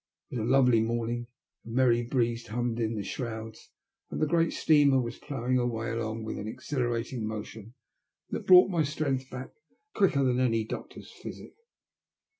It was a lovely morning, a merry breeze hummed in the shrouds, and the great steamer was ploughing her way along with an exhilarating motion that brought my strength f A STBANGE COINCIDENCE. 188 back qnioker than any doctor's physic.